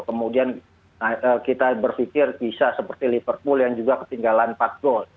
kemudian kita berpikir bisa seperti liverpool yang juga ketinggalan empat gol